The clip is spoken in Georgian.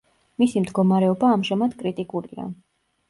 მისი მდგომარეობა ამჟამად კრიტიკულია.